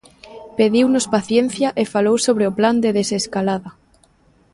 Pediunos paciencia e falou sobre o Plan de desescalada.